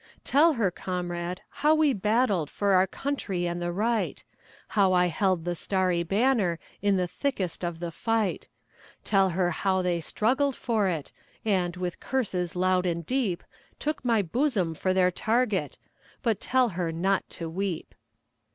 Tell her, comrade, how we battled For our country and the right; How I held the starry banner In the thickest of the fight; Tell her how they struggled for it, And, with curses loud and deep, Took my bosom for their target But tell her not to weep.